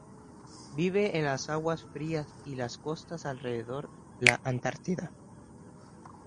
Vive en las aguas frías y las costas alrededor de la Antártida.